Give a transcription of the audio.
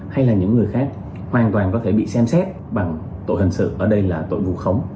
hay là những người khác hoàn toàn có thể bị xem xét bằng tội hình sự ở đây là tội vụ khống